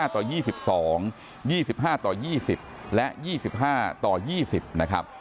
ต่อ๒๒๒๕ต่อ๒๐และ๒๕ต่อ๒๐นะครับ